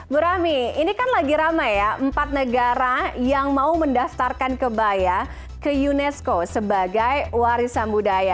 bu rami ini kan lagi ramai ya empat negara yang mau mendaftarkan kebaya ke unesco sebagai warisan budaya